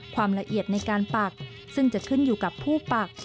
ความละเอียดในการปักซึ่งจะขึ้นอยู่กับผู้ปัก